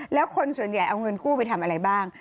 แล้วคนส่วนใหญ่เอาเงินกู้ไปทำอะไรบ้าง